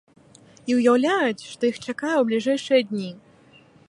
І ўяўляюць, што іх чакае ў бліжэйшыя дні.